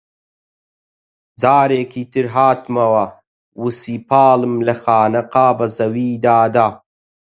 جارێکی تر هاتمەوە و سیپاڵم لە خانەقا بە زەویدا دا